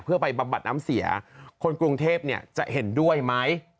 เพื่อไปบำบัดน้ำเสียคนกรุงเทพจะเห็นด้วยไหม